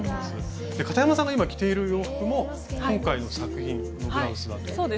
かたやまさんが今着ている洋服も今回の作品のブラウスだという。